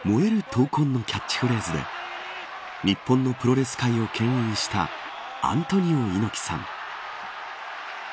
闘魂のキャッチフレーズで日本のプロレス界をけん引したアントニオ猪木さん。